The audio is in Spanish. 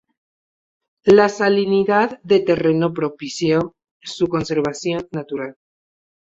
La salinidad del terreno propició su conservación natural.